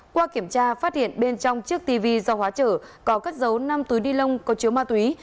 qua kiểm tra phát hiện bên trong chiếc tv do hóa trở có cắt dấu năm túi đi lông có chiếu ma túy